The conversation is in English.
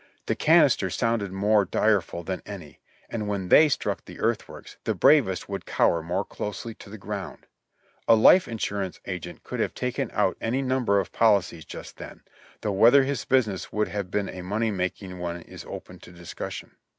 The canister sounded more direful than any; and when they struck the earthworks the bravest would cower more closely to the ground. A life insurance agent could have taken out any number of policies just then, though whether his business would have been a money making one is open to discussion.